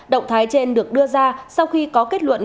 động thái trên được đưa ra sau khi có kết luận